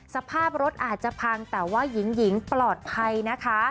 สภาพรถอาจจะพังแต่ว่าหญิงปลอดภัยนะคะ